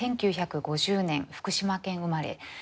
１９５０年福島県生まれ。